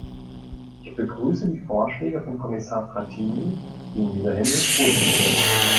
Ich begrüße die Vorschläge von Kommissar Frattini, die in dieser Hinsicht positiv sind.